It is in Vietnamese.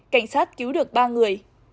cảnh sát cứu được ba người